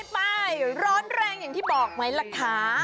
ไปร้อนแรงอย่างที่บอกไหมล่ะคะ